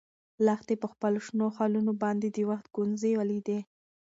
لښتې په خپلو شنو خالونو باندې د وخت ګونځې ولیدې.